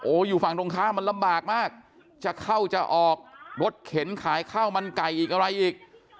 อยู่ฝั่งตรงข้ามมันลำบากมากจะเข้าจะออกรถเข็นขายข้าวมันไก่อีกอะไรอีก